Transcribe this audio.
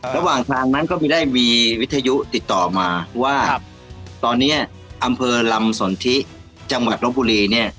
ระหว่างทางนั้นก็มีได้มีวิทยุติดต่อมาว่าตอนนี้อำเภอลำสนทิจังหวัดลบบุรีเนี่ย